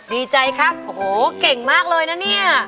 ดีใจครับโอ้โหเก่งมากเลยนะเนี่ย